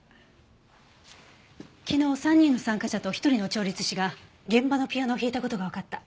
昨日３人の参加者と１人の調律師が現場のピアノを弾いた事がわかった。